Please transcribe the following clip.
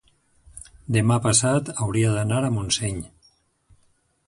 demà passat hauria d'anar a Montseny.